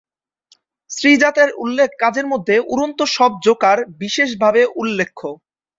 শ্রীজাত-এর উল্লেখ্য কাজের মধ্যে "উড়ন্ত সব জোকার" বিশেষভাবে উল্লেখ্য।